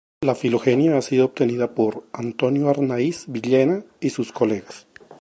La Filogenia ha sido obtenida por Antonio Arnaiz-Villena y sus colegas.